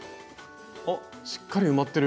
おっしっかり埋まってる。